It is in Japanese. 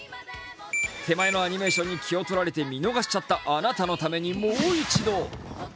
手前のアニメーションに気を取られて見逃しちゃったあなたのために、もう一度。